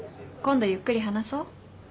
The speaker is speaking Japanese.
今度ゆっくり話そう？